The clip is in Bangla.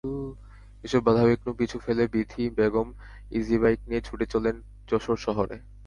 এসব বাধাবিঘ্ন পিছু ফেলে বীথি বেগম ইজিবাইক নিয়ে ছুটে চলেন যশোর শহরে।